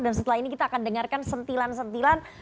dan setelah ini kita akan dengarkan sentilan sentilan